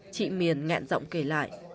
chị miền ngạn rộng kể lại